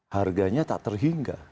harganya tak terhingga